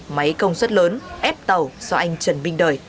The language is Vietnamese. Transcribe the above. máy công suất lớn ép tàu do anh trần minh đời